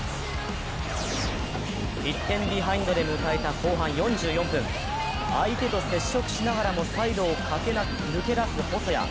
１点ビハインドで迎えた後半４４分、相手と接触しながらもサイドを抜け出す細谷。